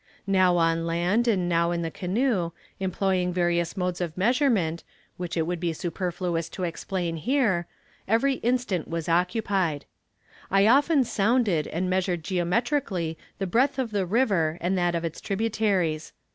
Now on land and now in the canoe, employing various modes of measurement, which it would be superfluous to explain here, every instant was occupied. I often sounded, and measured geometrically the breadth of the river and that of its tributaries.